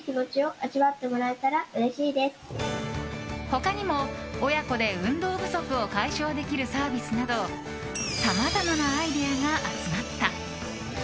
他にも、親子で運動不足を解消できるサービスなどさまざまなアイデアが集まった。